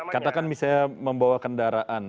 katakan misalnya membawa kendaraan